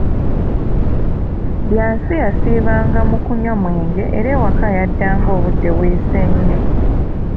Byansi yasiibanga mu kunywa mwenge era ewaka yaddanga obudde buyise nnyo.